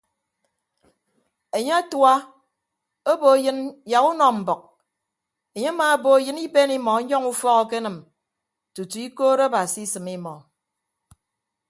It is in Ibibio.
Enye atua obo eyịn yak unọ mbʌk enye amaabo eyịn iben imọ yọñ ufọk kenịm tutu ikoot abasi asịm imọ.